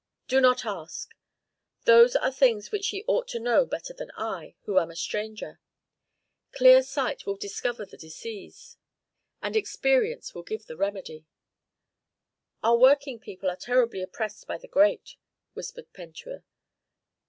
"Do not ask. Those are things which ye ought to know better than I, who am a stranger. Clear sight will discover the disease, and experience will give the remedy." "Our working people are terribly oppressed by the great," whispered Pentuer.